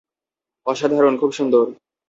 অসাধারণ খুব সুন্দর।